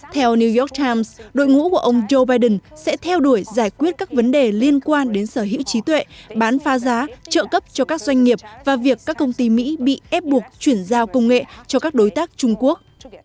theo new york times đội ngũ của ông joe biden sẽ theo đuổi giải quyết các vấn đề liên quan đến sở hữu trí tuệ bán pha giá trợ cấp cho các doanh nghiệp và việc các công ty mỹ bị ép buộc chuyển giao công nghệ cho các đối tác trung quốc